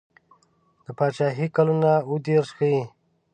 د پاچهي کلونه اووه دېرش ښيي.